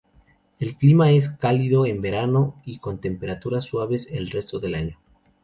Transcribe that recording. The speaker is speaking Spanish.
El clima es cálido en verano y con temperaturas suaves el resto del año.